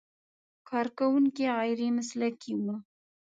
کارکوونکي غیر مسلکي و.